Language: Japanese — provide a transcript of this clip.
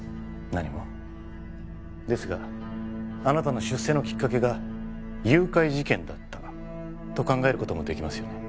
何もですがあなたの出世のきっかけが誘拐事件だったと考えることもできますよね